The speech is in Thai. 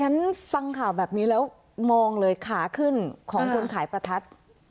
ฉันฟังข่าวแบบนี้แล้วมองเลยขาขึ้นของคนขายประทัด